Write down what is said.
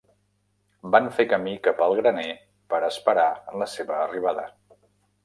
Van fer camí cap al graner per esperar la seva arribada.